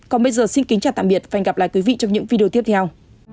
còn bây giờ xin kính chào tạm biệt và hẹn gặp lại quý vị trong những video tiếp theo